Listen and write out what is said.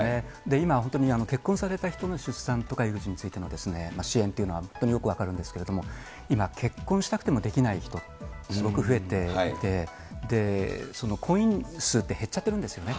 今、本当に結婚された人の出産とか育児についての支援というのは本当によく分かるんですけど、今、結婚したくてもできない人、すごく増えていて、その婚姻数って減っちゃってるんですよね。